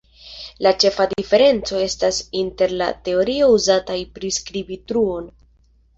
La ĉefa diferenco estas inter la teorioj uzataj priskribi truon.